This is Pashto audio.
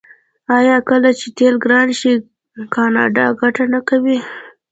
آیا کله چې تیل ګران شي کاناډا ګټه نه کوي؟